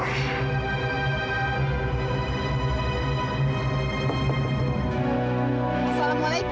assalamualaikum pak ibu